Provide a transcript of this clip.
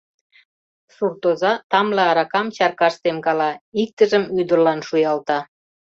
Суртоза тамле аракам чаркаш темкала, иктыжым ӱдырлан шуялта.